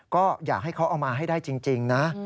ก็อยากให้เขาเอามาให้ได้จริงนะ